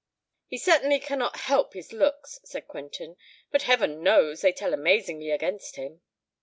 "He certainly cannot help his looks," said Quentin: "but heaven knows they tell amazingly against him."